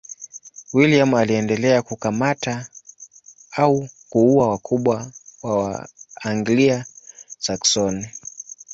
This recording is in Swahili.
William aliendelea kukamata au kuua wakubwa wa Waanglia-Saksoni.